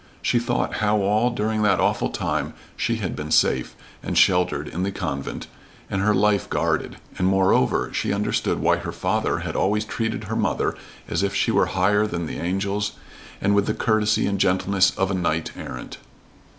She thought how all during that awful time she had been safe and sheltered in the convent, and her life guarded; and moreover, she understood why her father had always treated her mother as if she were higher than the angels and with the courtesy and gentleness of a knight errant.